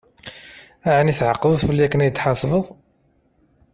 Ɛni tεeqdeḍ-t fell-i akken ad yi-d-tḥesbeḍ?